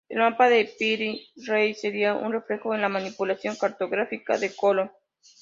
El mapa de Piri Reis sería un reflejo de la manipulación cartográfica de Colón.